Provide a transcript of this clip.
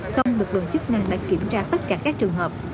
song lực lượng chức năng đã kiểm tra tất cả các trường hợp